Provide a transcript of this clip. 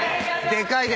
でかいです。